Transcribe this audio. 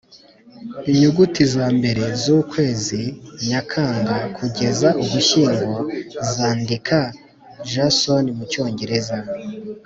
inyuguti zambere zukwezi nyakanga kugeza ugushyingo zandika jason mu cyongereza